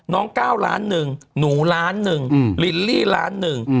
๙ล้านหนึ่งหนูล้านหนึ่งลิลลี่ล้านหนึ่ง